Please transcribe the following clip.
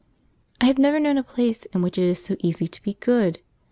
I have never known a place in which it is so easy to be good.